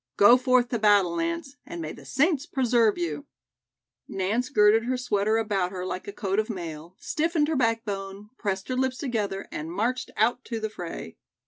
Go forth to battle, Nance, and may the saints preserve you." Nance girded her sweater about her like a coat of mail, stiffened her backbone, pressed her lips together and marched out to the fray.